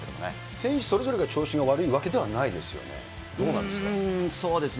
選手それぞれが調子が悪いわけではないですよね。